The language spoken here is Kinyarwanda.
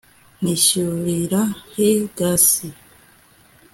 nishyurira he gasi